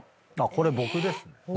これ僕ですね。